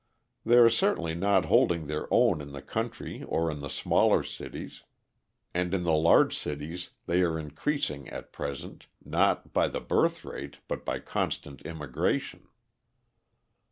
They are certainly not holding their own in the country or in the smaller cities, and in the large cities they are increasing at present, not by the birth rate, but by constant immigration.